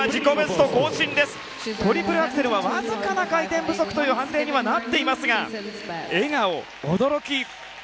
トリプルアクセルはわずかな回転不足という判定になっていますが笑顔、驚き。